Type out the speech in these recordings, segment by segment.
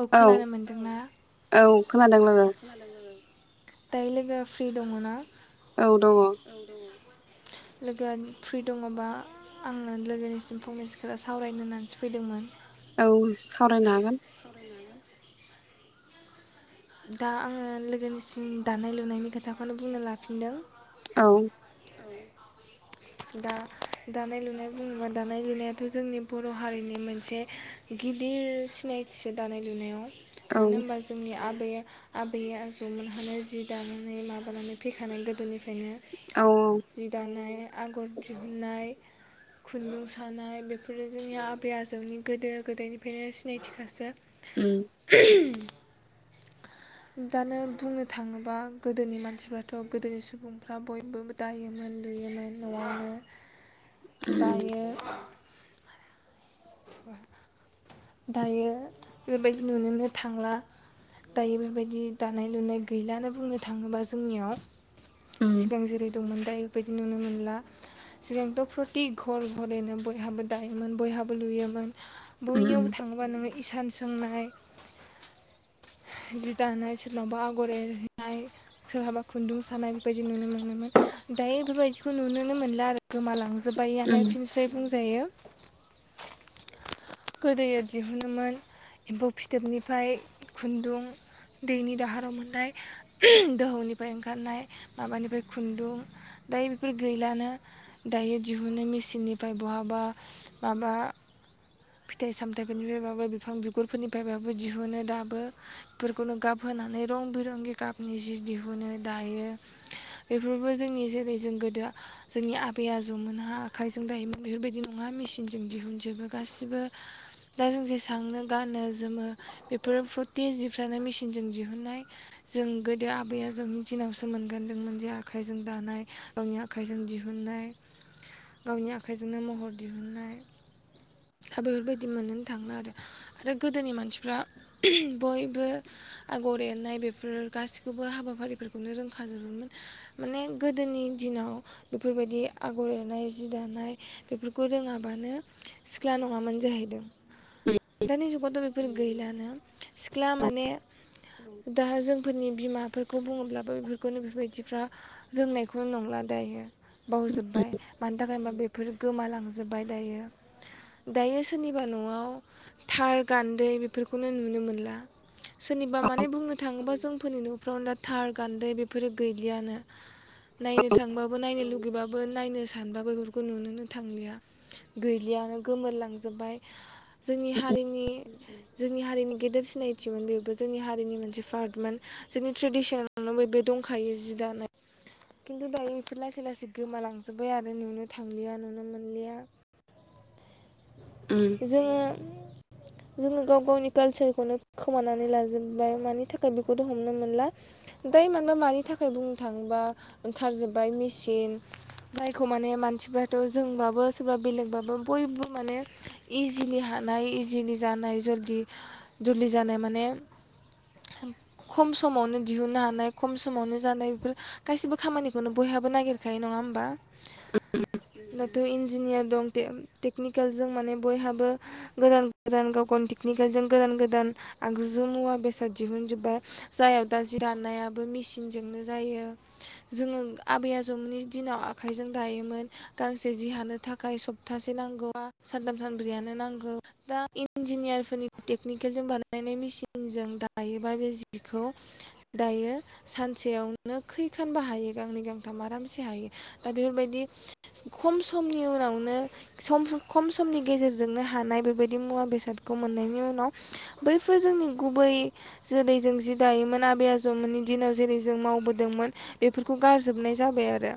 औ खोनानो मोनदोंना औ खोनादों लोगो दायो लोगोआ फ्रि दङ ना औ दङ लोगोआ फ्रि दङबा आङो लोगोनिसिम फंनैसोखोथा सावरायनो होननानैसो फैदोंमोन औ सावरायनो हागोन दा आङो लोगोनिसिम दानाय लुनायनि खोथाखौनो बुंनो लाफिनदों औ दा दानाय लुनाय बुङोबा दानाय लुनायाथ' जोंनि बर' हारिनि मोनसे गिदिर सिनायथिसो दानाय लुनायाव मानो होनोमबा जोंनि आब बे आबै आजौमोनहानो जि दानानै माबानानै फैखानाय गोदोनिफ्रायनो जि दानाय आगर दिहुननाय खुन्दुं सानाय बेफोरो जोंनि आबै आजौनि गोदो गोदायनिफ्रायनो सिनायथिखासो [inaudible] दानो बुंनो थाङोबा गोदोनि मानसिफ्राथ' गोदोनि सुबुंफ्रा बयबो दायोमोन लुयोमोन न'आवनो दायो दायो बेबायदि नुनोनो थांला दायो बेबायदि दानाय लुनाय गैलानो बुंनो थाङोबा जोंनियाव सिगां जेरै दंमोन दायोबायदि नुनो मोनला सिगांथ' प्रति घर घरैनो बयहाबो दायोमोन बयहाब ब लुयोमोन बयनियावबो थाङोबा नुय इसान सोंनाय जि दानाय सोरनावबा आगर एरहैनाय सोरहाबा खुन्दुं सानाय बेबायदि नुनो मोनोमोन दायो बेबायदिखौ नुनोनो मोनला आरो गोमालांजोब प्रयानो फिनसै बुंजायो गोदोयो दिहुनोमोन एम्फौ फिथोबनिफ्राय खुन्दुं दैनि दाहाराव मोननाय दोहौनिफ्राय ओंखारनाय माबानिफ्राय खुन्दुं दायो बेफोर गैलानो दायो दिहुनो मिसिननिफ्राय बहाबा माबा फिथाइ सामथायाइफोरनिफ्रायबाबो बिफां बिगुरफोरनिफ्रायबाबो दिहुनो दाबो बेफोरखौनो गाब होनानै रं बिरंगि गाबनि जि दिहुनो दायो बेफोरबो जोंनि जेरै जों गोदो जोंनि आबै आजौमोनहा आखाइजों दायोमोन बेफोरबायदि नङा मेसिनजों दिहुनजोबो गासिबो बो दा जों जेसांनो गानो जोमो बेफोर फ्रति दानाय मेसिनजों दिहुनाय जों गोदो आबै आ जौनि दिनावसो मोनगांदोंमोन जे आखाइजों दानाय गावनि आखाइजों दिहुननाय गावनि आखाइजोंनो महर दिहुननाय हा बेफोरबायदि मोनो थांला आरो आरो गोदोनि मानसिफ्रा बयबो आगर एरनाय बेफोर गासिखौबो हाबाफारिफोर खौनो रोंखाजोबोमोन माने गोदोनि दिनाव बेफोरबायदि आगर एरनाय जि दानाय बेफोरखौ रोङाबानो सि सिख्ला नङामोन जाहैदों दानि जुगावथ' बेफोर गैलानो सिख्ला माने दा जोंफोरनि बिमाफोरखौ बुङोब्लाबो बेफोरखौनो बेफोरबायदिफ्रा रोंनायखौनो नंला दायो। बावजोब्बाय मानि थाखाय होनबा बेफोर गोमालांजोबबाय दायो। दायो सोरनिबा न'आव थार गान्दै बेफोरखौनो नुनो मोनला। सोरनिबा माने बुंनो थाङोबा जों फोरनि न'फ्रावनो दा थार गान्दै बेफोरो गैलियानो नायनो थांबाबो नायनो लुगैबाबो नायनो सानबाबो बेफोरखौ नुनोनो थांलिया गैलियानो। गोमोरलांजोबबाय जोंनि हारिनि जोंनि हारिनि गेदेर सिनायथिमोन बेबो जोंनि हारिनि मोनसे पार्टमोन जोंनि ट्रेडिसनावनो बेबो दंखायो जि दानाय खिन्तु दायो बेफोर लासै लासै गोमालांजोब्बाय आरो नुनो थांलिया नुनो मोनलिया। जोङो जोङो गाव गावनि कालसारखौनो खोमानानै लाजोबबाय मानि थाखाय बेखौथ' हमनो मोनला दाय मानबा मानि थाखाय बुंनो थाङोबा ओंखारजोबबाय मेचिन मायखौ माने मानसिफ्राथ' जोंबाबो सोरबा बेलेगबाबो बयबो माने इजिलि हानाय इजिलि जानाय जदि जलदि जानाय माने खम समावनो दिहुननो हानाय खम समावनो जानाय बेफोर गासिबो खामानिखौनो बयहाबो नागिरखायो नङा होमबा? नो थ' इन्जियार दं तेम टेकनिकेलजों माने बयहाबो गोदान गोदान गाव गावनि टेकनिकेलजों गोदान गोदान आगजु मुवा बेसाद दिहुनजोबबाय जाय दा जि दानायाबो मेसिनजोंनो जायो जोङो आबै आजौनि दिनाव आखाइजों दायोमोन गांसे जि हानो थाखाय सब सप्थासे नांगौ सानथाम सानब्रैयानो नांगौ दा इन्जिनियारफोरनि टेकनिकेलजों बानायनाय मेसिनजों दायोबा बे जिखौ दायो सानसेयावनो खैखानबो हायो गांनै गांथाम आरामसे हायो दा बेफोरबायदि खम समनि उनावनो सम सम खम समनि गेजेरजों जोंनो हानाय बेबायदि मुवा बेसादखौ मोननायनि उनाव बैफोर जोंनि गुबै जेरै जों जि दायोमोन आबै आजौमोननि दिनाव जेरै जों मावबोदोंमोन बेफोरखौ गारजोबनाय जाबाय आरो।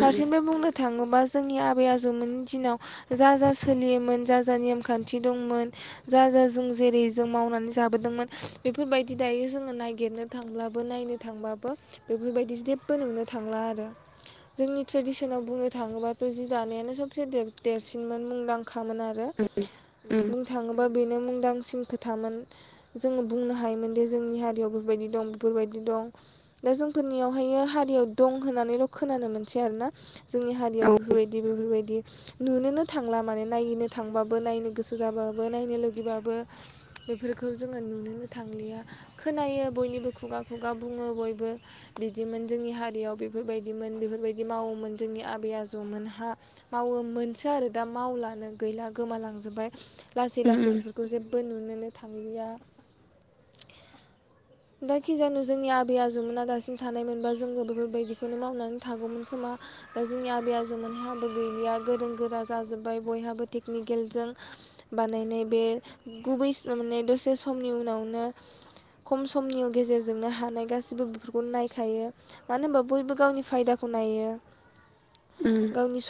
फारसेनो बुंनो थाङोब्ला बा जोंनि आबै आजौमोन नि दिनाव जा जा सोलियोमोन जा जा नेम खान्थि दंमोन जा जा जों जेरै जों मावनानै जाबोदोंमोन बेफोरबायदि दायो जोङो ननायागिरनो थांब्लाबो नायनो थांब्लाबो बेफोरबायदि जेबो नुनो थांला आरो जोंनि ट्रेडिसनाव बुंनो थाङोबाथ' जि दानायानो फेदेर देरसिनमोन मुंदां खामोन आरो बुंनो थाङोबा बेनो मुंदांसिन खोथामोन जोङो बुंनो हायोमोन दि जोंनि हारियाव बेफोरबायदि दं बेफोरबायदि दं दा जोंफोरनियावहायो हारियाव दं होननानैल' खोनानो मोनसै आरोना जोंनि हारियाव बेफोरबायदि बेफोरबायदि नुनोनो थांला माने नायनो थांबाबो नायनो गोसो जाबाबो नायनो लुगैबाबो बेफोरखौ जोङो नुनोनो थांलिया खोनायो बयनिबो खुगा खुगा बुङो बयबो बिदिमोन जोंनि हारियाव बेफोरबायदिमोन बेफोरबायदि मावोमोन जोंनि आबै आजौमोन हा मावो मोनसो आरो दा मावलानो गैला गोमालांजोब्बाय। लासै लासै बेफोरखौ जेबो नु नुनो थांलिया जायखि जाया जोंनि आबै आजौमोना दासिम थानायमोनबा जों बेफोरबायदिखौनो मावनानै थागौमोन खोमा दा जोंनि आबै आजौमोनहा गैलिया गोरों गोरा जाजोब्बाय बयहाबो टेकनिकेलजों बानायनाय बे गुबै माने दसे समनि उनावनो खम समनि गेजेरजोंनो हानाय गासिबो बेफोरखौ नायखायो मानो होनबा बयबो गावनि फायदाखौ नायो गावनि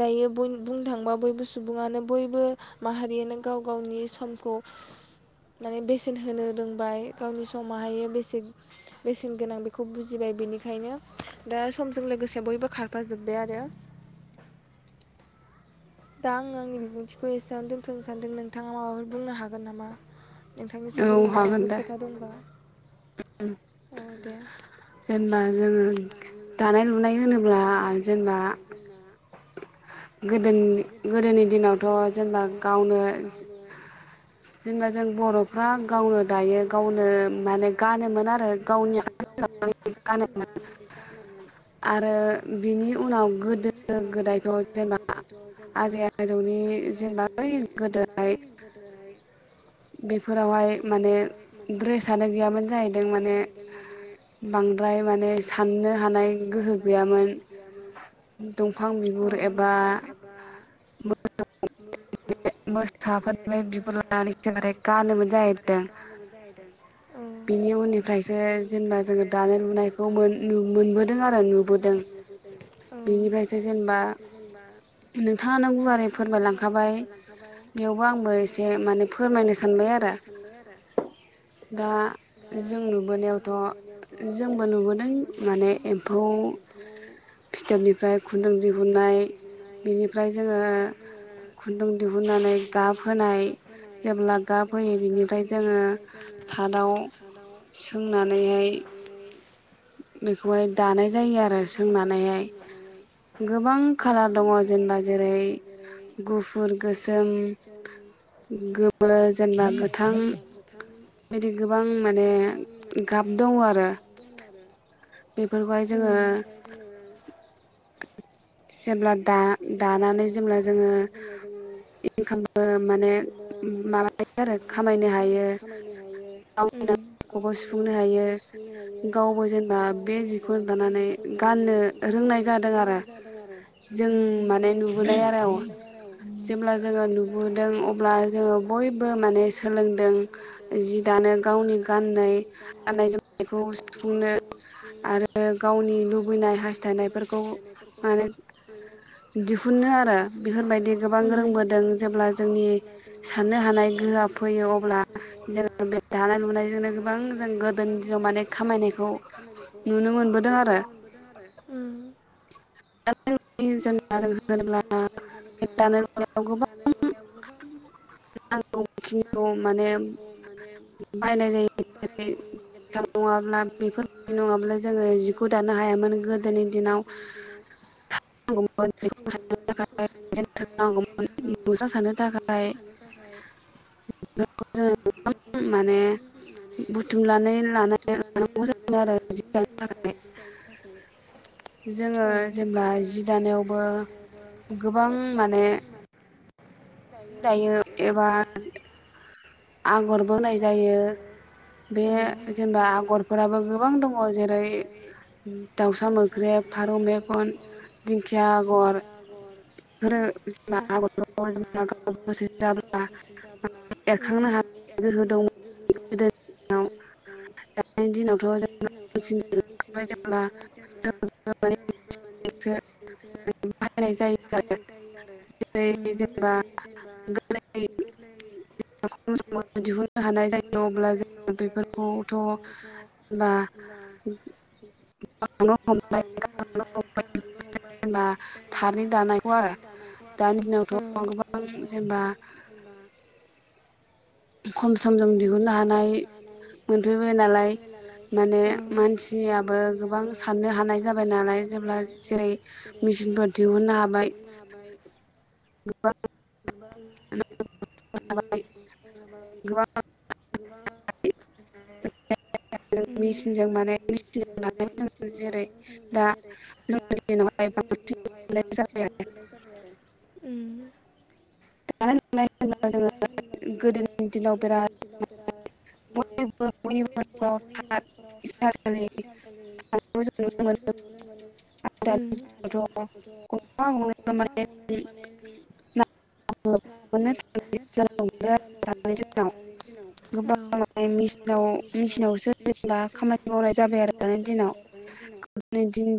दायो बुंनो थाङोबा बयबो सुबुङानो बयबो माहारियानो गाव गावनि समखौ माने बेसेन होनो रोंबाय गावनि सम माहायोसे बेसेन गोनां बेखौ बुजिबाय बेनिखायनो दा समजों लोगोसे बयबो खारफाजोब्बाय आरो। दा आङो आंनि बिबुंथिखौ एसेबांनो दोनथ'नो सानदों नों नोंथाङा माबाफोर बुंनो हागोन नामा नोंथांनिसिम बुंनो माबाफोर खोथा दंबा? जेनेबा जोङो दानाय लुनाय होनोब्ला जोंना गोदो गोदोनि दिनावथ' जेनेबा गावनो जेनबा जेनेबा जों बर'फ्रा गावनो दायो गावनो माने गानोमोन आरो गावनि आखाइजों दानानै बिदि गानोमोन आरो बिनि गो गोदायखौ जेनेबा आजै आजौनि जेनेबा बै गोदोहाय बेफोरावहाय माने द्रेसानो गैयामोन जाहैदों माने बांद्राय माने साननो हानाय गोहो गैयामोन दंफां बिगुर एबा मोसाफोर [unintelligible] [unintelligible] नानै जोबोरै गानोमोन जाहैदों। बिनि उननिफ्रायसो जेनेबा जोङो दानाय लुनायखौ मोन मोनबोदों आरो नुबोदों बिनिफ्रायसो जेनेबा नोंथाङानो गुवारै फोरमायलांखाबाय बेयावबो आंबो एसे माने फोरमायनो सान फोरमायनो सानबाय आरो। जों नुबोनायावथ' जोंबो नुबोदों माने एम्फौ फिथोबनिफ्राय खुन्दुं दिहुननाय बेनिफ्राय जोङो खुन्दुं दिहुननानै गाब होनाय जेब्ला गा जेब्ला गाब होयो बेनिफ्राय जोङो हादाव सिंनानै बेखौहाय दानाय जायो आरो सोंनानैहाय गोबां खाालार दङ जेनेबा जेरै गुफुर गोसोम गोमो गोमो जेनबा गोथां बेबायदि गोबां [unintelligible] गाब दङ आरो बेफोरखौहाय जोङो जेब्ला जेब्ला दानानै जेब्ला जोङो इनकामबो माने माबानि थाखाय खामायनो हायो गावनिनो हाखौ सुफुंनो हायो गावबो जेनेबा बे जिखौ दानानै गाननो रोंनाय जादों आरो। माने नुबोनाय आरो जेब्ला जोङो नुबोदों अब्ला जोङो बयबो माने सोलोंदों जि दानो गावनि गाननाय गाननाय जोमनायखौ सुफुंनो आरो गावनि लुबैनाय हास्थायनायफोरखौ माने दिहुनो आरो बेफोरबायदि गोबां रोंबोदों जेब्ला जोंनि साननो हानाय गोहआ फैयो अब्ला जोङो बे दानाय लुनायजोंनो गोबां जों गोदोनि दिनाव माने खामायनायखौ नुनो मोनबोदों आरो ओम। दानाय लुनि जेंनाजों होनोब्ला बे दानाय लुनायाव गोबां नांगौखिनिखौ माने बाहायनायायनाय लोबनायथ नङा। ना बेफोरदि नङाब्ला जोङो जिखौ दानो हायामोन गोदोनि दिनाव थांगौमोन बेखौ साननो थाखाय जेनथारनांगौमोन नस साननो थाखाय बेफोरखौ जोङोबांनानै बुथुमनानै [unintelligible] थाखाय जोङो जेेब्ला जि- दानायावबो गोबां माने। दायो एबा। आगर बोनाय जायो बे जेनेबा आगरफोराबो गोबां दङ जेरै दाउसा मोख्रेब फारौ मेगन दिंखिया आगर [unintelligible] गाव गोसो जाब्ला एरखांनो हाग। गोहो दं [unintelligible] जेनबा गोरलै। दिहुननो हानाय जायो अब्ला जों बेफोरखौथ जबा [unintelligible] तादनि दानायखौ आरो औ [inaudible] खम समजों दिहुननो हानाय मोनफैबाय नालाय औ बे मानसिनियाबो गोबां साननो हानाय जाबाय नालाय जेब्ला जेरै मेचिनफोर दिहुननो हाबाय- [unintelligible] [unintelligible] गोबां होम मेसिनजों माने मेसिनजों दानाय जेरै दा जोंनि दिनावहाय बांसिन मोननाय जाबाय आरो। ओ [unintelligible] गोदोनि दिनाव बिराद माने बयबो बयनिबो नखराव थात [unintelligible] इसानसालि थानायखौ जों नुनो मोनो--ओम आदा [unintelligible] [unintelligible] [unintelligible] दानि दिनाव औ मेचिनावसो जेनेबा खामानि मावनाय जाबाय आरो दानि दिनाव दिनि।